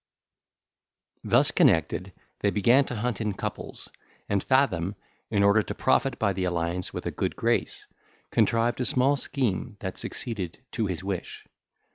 Thus connected, they began to hunt in couples; and Fathom, in order to profit by the alliance with a good grace, contrived a small scheme that succeeded to his wish.